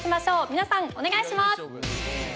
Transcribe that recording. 皆さんお願いします。